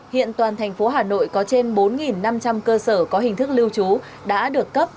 hiện toàn thành phố hà nội có trên bốn năm trăm linh cơ sở có hình thức lưu trú đã được cấp